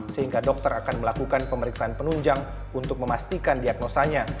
sehingga dokter akan melakukan pemeriksaan penunjang untuk memastikan diagnosanya